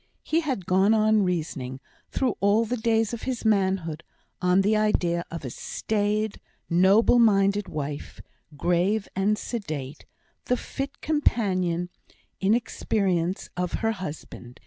He had gone on reasoning through all the days of his manhood on the idea of a staid, noble minded wife, grave and sedate, the fit companion in experience of her husband.